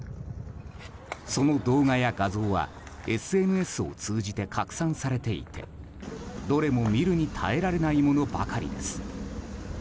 その動画や画像はＳＮＳを通じて拡散されていてどれも見るに堪えられないものばかりです。